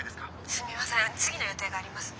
「すみません次の予定がありますんで」。